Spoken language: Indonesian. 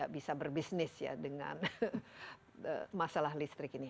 bisa berbisnis ya dengan masalah listrik ini